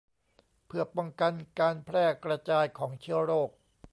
เพื่อป้องกันการแพร่กระจายของเชื้อโรค